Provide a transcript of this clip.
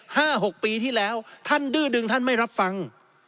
หกปีที่แล้วท่านดื้อดึงท่านไม่รับฟัง